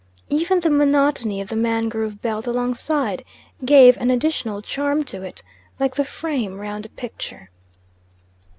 Even the monotony of the mangrove belt alongside gave an additional charm to it, like the frame round a picture.